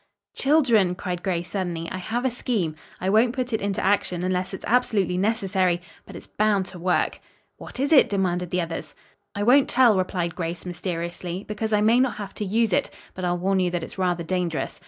"Children," cried Grace suddenly, "I have a scheme. I won't put it into action unless it's absolutely necessary, but it's bound to work." "What is it?" demanded the others. "I won't tell," replied Grace mysteriously, "because I may not have to use it, and I'll warn you that it's rather dangerous.